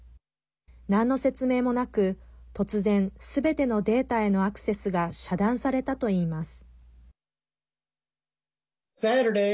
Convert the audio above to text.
なんの説明もなく突然、すべてのデータへのアクセスが遮断されたといいます。